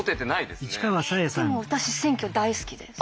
でも私選挙大好きです。